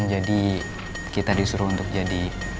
jadi kita disuruh untuk jadi